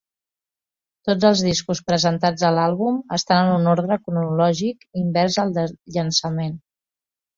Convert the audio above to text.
Tots els discos presentats a l'àlbum estan en un ordre cronològic invers al del llançament.